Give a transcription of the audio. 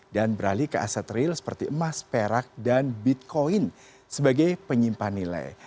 dan beralih ke aset real seperti emas perak dan bitcoin sebagai penyimpan nilai